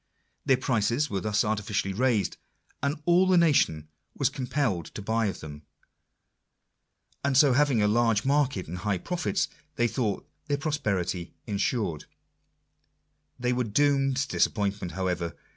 Their prices were thus artificially raised, and all the nation was compelled to Digitized by VjOOQIC 48 INTRODUCTION. buy of them. And so, having a large market and high profits, they thought their prosperity ensured. They were doomed to disappointment, however.